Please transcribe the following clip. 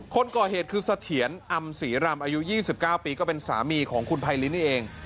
คนก่อเหตุคือเสถียรอำศรีรำอายุ๒๙ปีก็เป็นสามีของคุณไพรินนี่เอง